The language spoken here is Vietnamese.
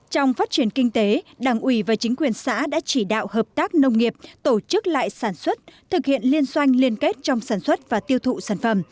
trong phát triển kinh tế đảng ủy và chính quyền xã đã chỉ đạo hợp tác nông nghiệp tổ chức lại sản xuất thực hiện liên doanh liên kết trong sản xuất và tiêu thụ sản phẩm